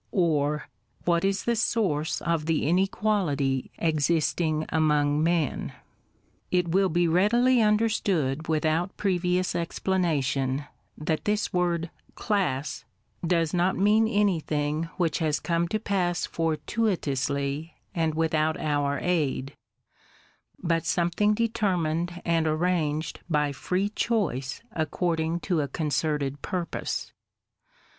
— or, What is the source of the inequality existing among men % It will be readily understood without previous explana tion, that this word class does not mean anything which has come to pass fortuitously and without our aid, but some thing determined and arranged by free choice according to a concerted purpose.